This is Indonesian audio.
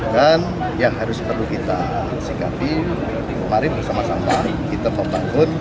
dan yang harus perlu kita singgahi kemarin bersama sama kita membangun